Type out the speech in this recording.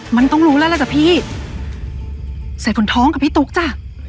มันต้องรู้แล้วล่ะจ้ะพี่ใส่คนท้องกับพี่ตุ๊กจ้ะ